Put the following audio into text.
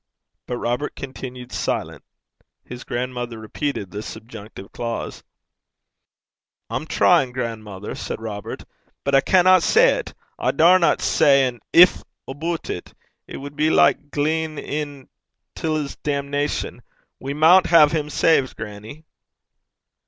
But Robert continued silent. His grandmother repeated the subjunctive clause. 'I'm tryin', grandmother,' said Robert, 'but I canna say 't. I daurna say an if aboot it. It wad be like giein' in till 's damnation. We maun hae him saved, grannie!'